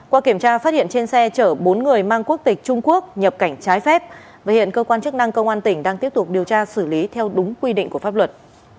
qua kiểm tra phát hiện trên xe chở bốn người mang quốc tịch trung quốc nhập cảnh trái phép và hiện cơ quan chức năng công an tỉnh đang tiếp tục điều tra xử lý theo đúng quy định của pháp luật